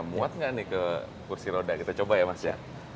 muat nggak nih ke kursi roda kita coba ya mas ya